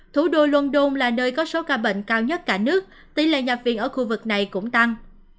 thủ đô london là nơi có số ca bệnh cao nhất cả nước tỷ lệ nhập viện ở khu vực này cũng tăng